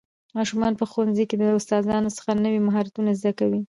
ماشومان په ښوونځي کې له استادانو څخه نوي مهارتونه زده کوي